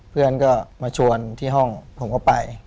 เพื่อนก็มาชวนที่ห้องผมก็ไป